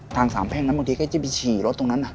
ทางสามแพ่งนั้นบางทีก็จะไปฉี่รถตรงนั้น